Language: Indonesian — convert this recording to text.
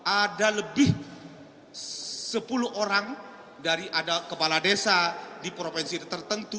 ada lebih sepuluh orang dari ada kepala desa di provinsi tertentu